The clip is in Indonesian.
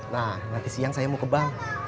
nah nanti siang saya mau ke bank